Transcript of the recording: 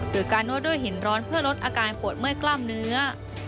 โดยการนวดด้วยหินร้อนเพื่อลดอาการปวดเมื่อยกล้ามเนื้อ